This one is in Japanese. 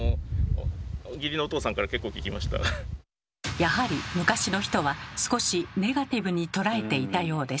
やはり昔の人は少しネガティブに捉えていたようです。